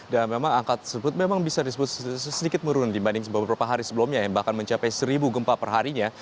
dan memang angka tersebut memang bisa disebut sedikit merun dibanding beberapa hari sebelumnya yang bahkan mencapai seribu gempa perharinya